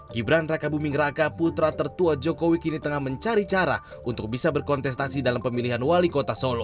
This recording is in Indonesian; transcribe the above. gibran raka buming raka putra tertua jokowi kini tengah mencari cara untuk bisa berkontestasi dalam pemilihan wali kota solo